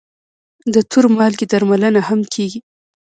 د تور مالګې درملنه هم کېږي.